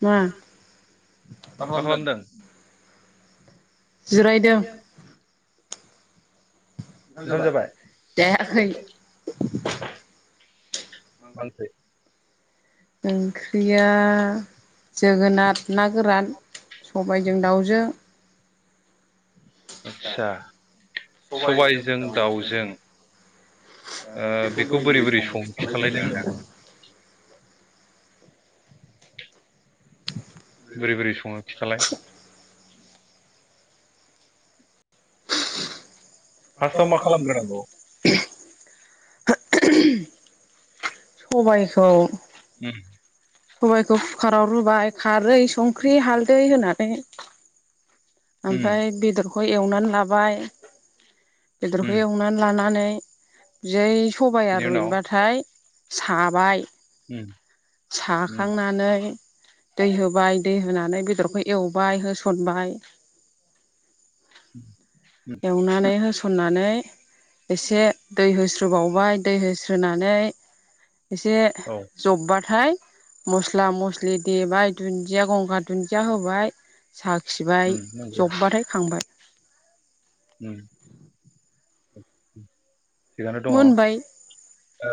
उम, मा खालामदों । जिरायदों । ओंखाम जाबाय? जायाखै । मा ओंख्रि? [unintelligible] ओंख्रिया जोगोनात ना गोरान । सबायजों दाउजों । आतसा सबायजों दाउजों । ओ बेखौ बोरै बोरै संङो खिथालाय जोंनिया । बोरै बोरै सङो खिथालाय । फार्स्टआव मा खालामग्रोनांगौ? [unintelligible] सबायखौ उम सबायखौ कुकाराव रुबाय, खारै, संख्रि, हालदै होनानै । उम ओमफ्राय बेदरखौ एवनानै लाबाय उम बेदरखौ एवनानै लानानै । जै सबाया बिनि उनाव रुइबाथाय साबाय उम उम साखांनानै दै होबाय दै होनानै बेदरखौ एवबाय होसनबाय उम एवनानै होसनानै । एसे दै होस्रोबावबाय दै होस्रोनानै एसे औ जब्बा थाय मस्ला मस्लि देबाय दुन्जिया गंगार दुन्जिया होबाय । उम साखिबाय नंगौ जब्बाथाय खांबाय । उम थिगानो दङ मोनबाय ओ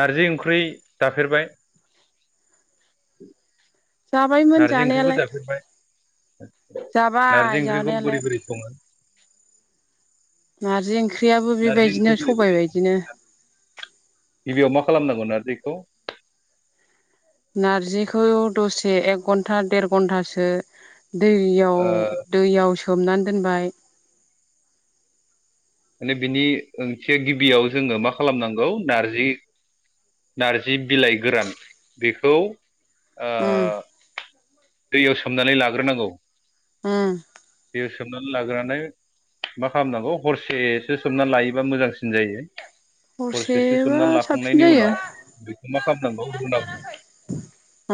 नारजि ओंख्रि जाफेरबाय? जाबायमोन नारजि ओंख्रिखौ जानायालाय जाफेरबाय? नारजि जाबाय ओंख्रिखौ जानायालाय बोरै बोरै सङो? नारजि ओंख्रियाबो नारजि ओंख्रि बेबायदिनो बोरै बोरै सबाय सङो बायदिनो । गिबियाव मा खालामनांगौ नाजिरखौ? नारजिखौ दसे एक घन्टा देर घन्टासो दैयाव ओ दैयाव सोमनानै दोनबाय । माने बिनि ओंथिया गिबियाव जोङो मा खालामनांगौ नारजि नारजि बिलाइ गोरान बेखौ ओ उम दैयाव सोमनानै लाग्रोनांगौ । उम सोमनानै लाग्रोनानै मा खालामनांगौ हरसेसो सोमनानै लायोबा मोजांसिन जायो । हरसेसो हरसेबा सोमनानै साबसिन लाखांनायनि जायो उनाव बेखौ मा खालामनांगौ रुनांगौ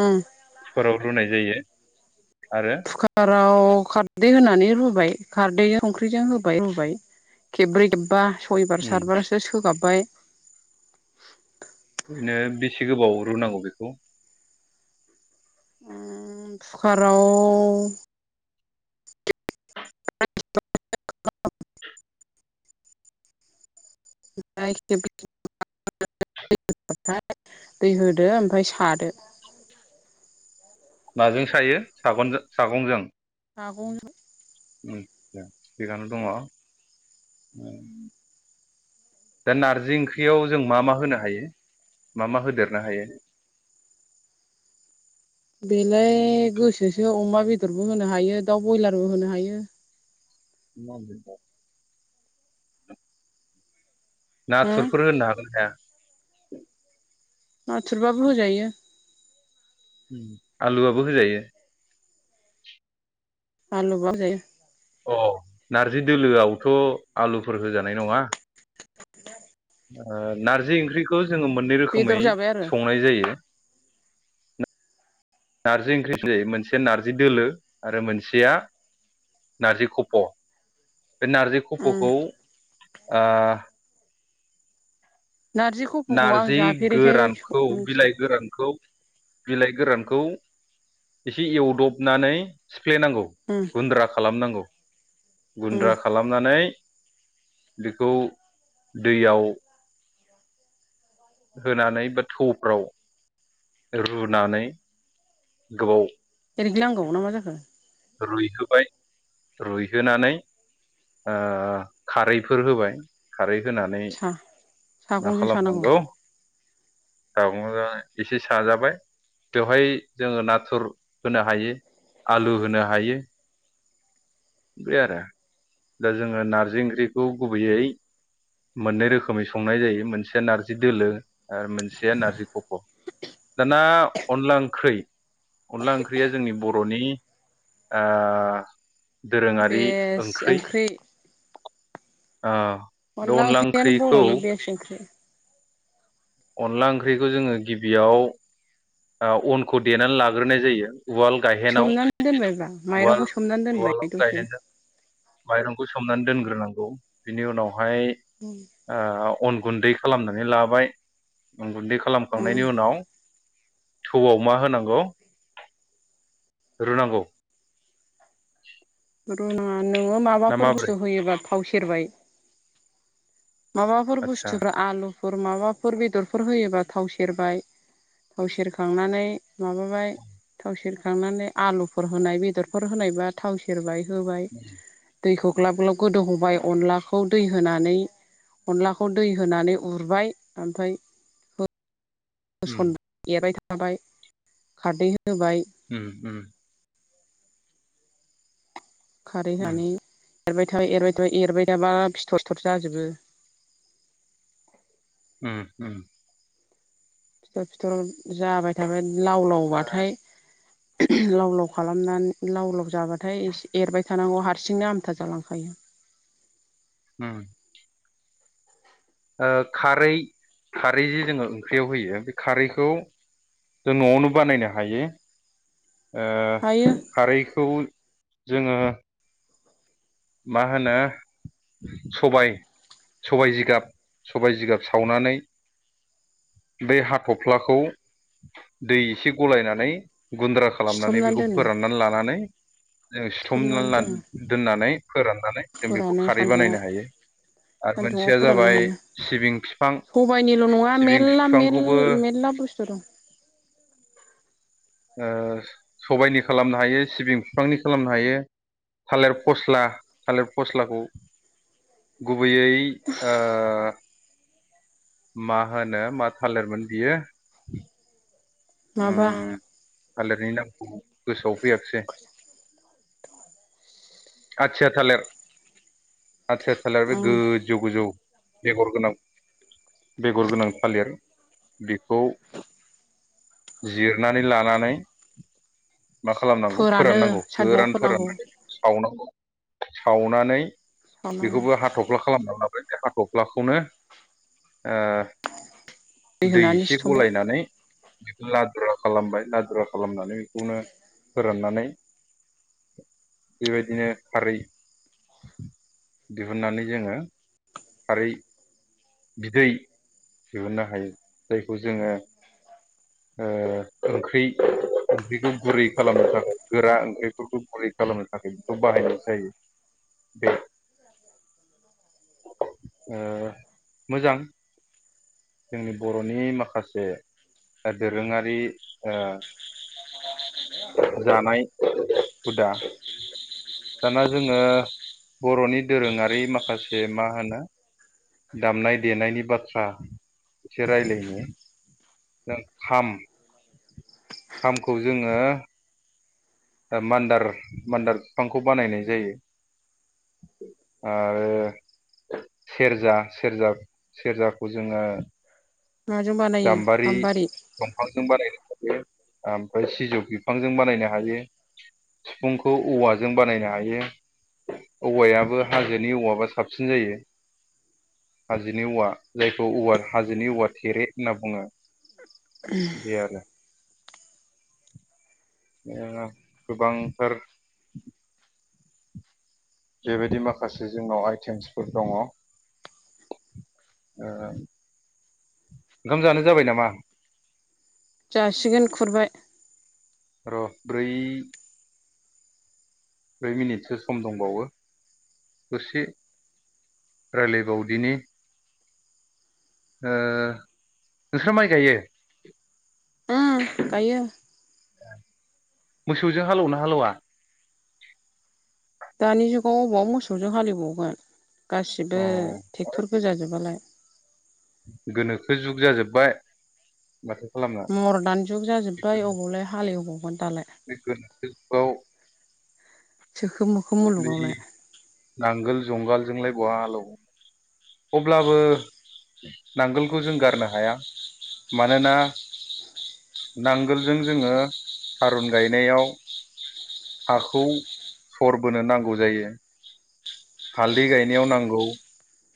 उम खुखाराव रुनाय जायो आरो कुकाराव खारदै होनानै रुबाय खारदैजों संख्रिजों होबाय रूबाय खेब्रै खेबबा सयबार उम सााथबारसो सोगाबबाय ओरैनो बेसे गोबाव रुनांगौ बेखौ उम कुकाराव [unintelligible] [unintelligible] दै होदो ओमफ्राय सादो माजों सायो सागनजो सागंजों सागंजों आतसा थिगानो दङ दा नारजि ओंख्रियाव जों मा मा होनो हायो? मा मा होदेरनो हायो? बेलाय गोसोसो अमा बेदरबो होनो हायो दाउ ब्रयलारबो होनो हायो [unintelligible] हो नाथुरफोर होनो हागोन हाया? नाथुरबाबो होजायो आलुआबो होजायो आलुबाबो होजायो अ नारजि दोलोआवथ आलुफोर होजानाय नङा ओ नारजि ओंख्रिखौ जोङो मोननै रोखोमै बेदर जाबाय आरो संनाय जायो [inaudible] नारजि ओंख्रि जायो मोनसे नारजि दोलो आरो मोनसेया नारजि खफ' बे नारजि उम खफ'खौ आ नारजि खफ'खौ आं नारजि जाफेरैखाय गोरानखौ मिथिया बिलाइ गोरानखौ बिलाइ गोरानखौ एसे एवदबनानै सिफ्लेनांगौ उम गुन्द्रा खालामनांगौ उम गुन्द्रा खालामनानै बेखौ दैयाव होनानै बा थौफ्राव रुनानै गोबाव एग्लिनांगौ ना मा जाखो रुइहोबाय रुइहोनानै ओ खारैफोर होबाय खारै होनानै सा मा सागंजों सानांगौ खालामनांगौ सागंजों एसे साजाबाय बेवहाय जोङो नाथुर होनो हायो आलु होनो हायो बिदि आरो दा जोङो नारजि ओंख्रिखौ गुबैयै मोननै रोखोमै संनाय जायो मोनसेया नार्जि दोलो आरो मोनसेया नारजि खफ' दाना अनला ओंख्रि अनला ओंख्रिया जोंनि बर'नि ओ दोरोङारि बेस्ट ओंख्रै ओंख्रि ओ बे अनला ओंख्रियानो ओंख्रिखौ बर'नि बेस ओंख्रि अनला ओंख्रिखौ जोङो गिबियाव ओ अनखौ देनानै लाग्रोनाय जायो उवाल गायहेनाव सोमनानै दोनबायब्रा माइरंखौ सोमनानै दोनबाय उवालाव दसे गायहेनजों माइरंखौ सोमनानै दोनग्रोनांगौ बिनि उनावहाय ओ अन गुन्दै खालामनानै लाबाय गुन्दै खालामखांनायनि उम उनाव थौआव मा होनांगौ रुनांगौ ओ नोङो ना माबाफोर बुस्थु माबोरै होयोबा थाव सेरबाय माबाफोर आदसा बुस्थुफ्रा आलु फोर माबाफोर बेदरफोर होयोबा थाव सेरबाय थाव सेरखांनानै माबाय थाव सेरखांनानै आलुफोर होनाय बेदरफोर होनायबा थाव सेरबाय। होबाय दैखौ ग्लाब ग्लाब गोदौहाय अनलाखौ दै होनानै अनलाखौ दै होनानै उरबाय ओमफ्राय [inaudible] उम होसन एरबाय थाबाय खारदै होबाय उम उम खारै उम होनै एरबाय था एरबाय था एरबाय थाबा फिथर सिथरसो जाजोबो। होम होम फिथर फिथर जाबाय थाबाय लाव लावबाथाय लाव लाव खालामनानै लाव लाव जाबाथाय एरबाय थानांगौ हारसिंनो आमथा जालांखायो। होम ओ खारै खारै जि जोङो ओंख्रियाव होयो बे खारैखौ जों न'आवनो बानायनो हायो। हायो ओ खारैखौ जोङो मा होनो सबाय सबाय जिगाब सबाय जिगाब सावनानै बे हाथ'फ्लाखौ दै एसे गलायनानै गुन्द्रा खालामनानै सिथबनानै बेखौ दोनो फोराननानै लानानै जों सिथबनानै सिथमनानै दोनो दोननानै राननानै जों बेखौ फोरानो खारै सान्दुङाव बानायनो हायो आरो सान्दुङाव मोनसेया जाबाय सिबिं बिफां सबायाइनिल' नङा सिबिं मेल्ला बिफांखौबो मेलला बुस्थु दं। सबायनि खालामनो हायो सिबिं बिफांनि खालामनो हायो। थालेर फस्ला थालिर फस्लाखौ गुबैयै मा होनो मा थालिरमोन बियो माबा थालिरनि नामखौ गोसोआव फैयाखसै आयथेया थालेर आतसा आसा बे ओम गोजौ गोजौ बेगर गोनां बेगर गोनां फालेर बेखौ जिरनानै लानानै मा खालामनांगौ फोरानो फोराननांगौ सान्दुङाव गोरान फोराननांगौ फोराननानै सावनांगौ सावनानै सावनांगौ बेखौबो हाथफ्ला खालामना ला बे हाथफ्लाखौनो ओ दै होनानै एसे सिथमबाय गलायनानै लादुरा खालामबाय लादुरा खालामनानै बेखौनो फोराननानै बेबायदिनो खारै दिहुननानै जोङो खारै बिदै दिहुननो हायो जायखौ जोङो ओ ओंख्रि। ओंख्रिखौ गुरै खालामनो थाखाय गोरा ओंख्रिफोरखौ गुरै खालामनो थाखाय बेखौ बाहायनाय जायो‌ बे मोजां जोंनि बर'नि माखासे दोरोङारि जानाय हुदा दाना जोङो बर'नि दोरोङारि माखासे मा होनो दामनाय देनायनि बाथ्रा एसे रायज्लायनो जों खाम खामखौ जोङो मान्दार मान्दार बिफांखौ बानायनाय जायो। आरो सेरजा सेरजा सेरजाखौ जोङो माजों बानायो गाम्बारि दंफांजों बानायदों ओमफ्राय सिजौ सिफुंखौ औवाजों बानायनो हायो औवायाबो हाजोनि औवाबा साबसिन जायो हाजोनि औवा जायखौव हाजोनि औवा थेरे होनना बुङो बियारा ओ गोबांथार बेबायदि माखासे जोंनाव हाय आइटेनटिफोर दङ ओ‌ ओंखाम जानो जाबाय नामा जासिगोन खुरबाय र ब्रै ब्रै मिनिटसो सम दंबावो दसे रायलायबावदिनि ओ‌ नोंस्रा माइ गायो ओम गायो मोसौजों हालौवना हालौया दानि जुगाव अबाव मोसौजों हालेबावगोन गासिबो अ ट्रेक्टर गोजा जोबालाय गोनोखो जुग जाजोब्बाय मर्दान जुग जाजोब्बाय अबावलाय हालेवबावगोन दालाय [unintelligible] औ सोखोम मोखोम मुलुगावलाय नांगोल जुंगालजोंलाय बहा हालेवो। अब्लाबो नांगोलखौ जों गारनो हाया। मानोना नांगोलजों जोङो थारुन गायनायाव हाखौ सरबोनो नांगौ जायो। हालदै गायनायाव नांगौ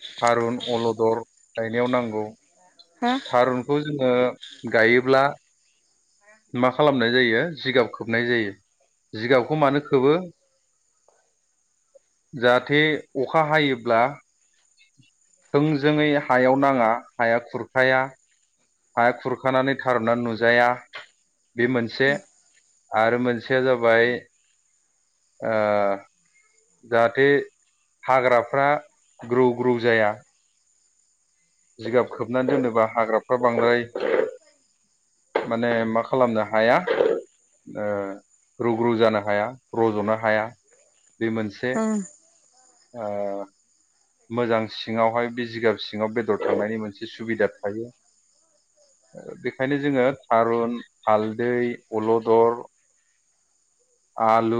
थारुन अलदर गायनायाव नांगौ। हा थारुनखौ जोङो गायोब्ला मा खालामनाय जायो जिगाब खोबनाय जायो। जिगाबखौ मानो खोबो जाहाथे अखा हायोब्ला थोंजोङै हायाव नाङा हाया खुरखाया हा खुरखानानै थारुना नुजाया बे मोनसे आरो मोनसेया जाबाय ओ जाहाथे हाग्राफ्रा ग्रौ ग्रौ जाया जिगाब खोबनानै दोनोबा हाग्राफ्रा बांद्राय माने मा खालामनो हाया ओ रुग्रु जानो हाया रज'नो हाया बे मोनसे ओम ओ मोजां सिङावहाय बे जिगाब सिङाव बेदर थांनायनि मोनसे सुबिदा थायो। बेखायनो जोङो थारुन, हालदै, अलदर आलु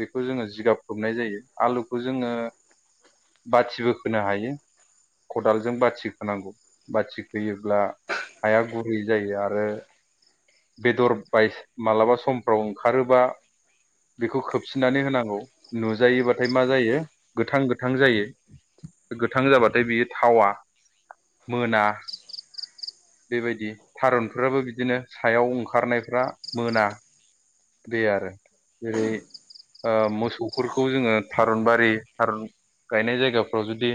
बेखौ जोङो जिगाब खोबनाय जायो। आलुखो जोङो बाथिबो खोनो हायो। खदालजों बाथि खोनांगौ। बाथि खोयोब्ला हाया गुरै जायो आरो बेदर बाय मालाबा समफ्राव ओंखारोबा बेखौ खोबसिननानै होनांगौ नुजायोबाथाय मा जायो गोथां गोथां जायो। गोथां जाबाथाय बियो थावा मोना बेबायदि थारुनफोराबो बिदिनो सायाव ओंखारनायफ्रा मोना। दै आरो जेरै ओ मोसौफोरखौ जोङो थारुन बारि थारुन गायनाय जायगाफ्राव जुदि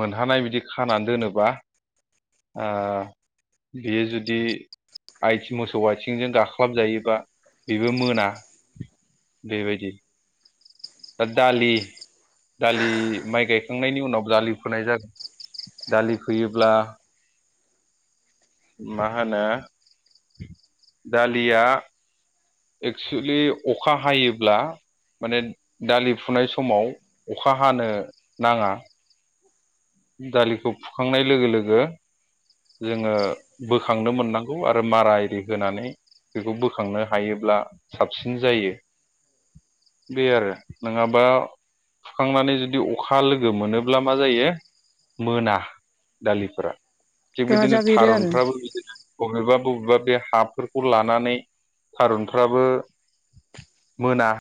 मोनहानाय बिदि खानानै दोनोबा आ बियो जुदि आइथिं मोसौ आथिंजों गाख्लाबजायोबा बेबो मोना। दै बायदि दा दालि दालि माइ गायखांनायनि उनाव दालि फोनाय जा दालि फोयोब्ला मा होनो दालिया एक्सुलि अखा हायोब्ला माने दालि फुनाय समाव अखा हानो नाङा। दालिखौ फुखांनाय लोगो लोगो जोङो बोखांनो मोननां गौ आरो मारा एदि होनानै बेखौ बोखांनो हायोब्ला साबसिन जायो। बे आरो नोङाबा फुखांनानै जुदि अखा लोगो मोनोब्ला मा जायो मोना दालिफोरा। थिग बिदिनो गाजा बेरो आरो थारुनफ्राबो बिदिनो बबेबा बबेबा बे हाफोरखौ लानानै थारुनफ्राबो मोना।